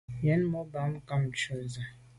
Njen mo’ bàm nkàb ntshu ntse.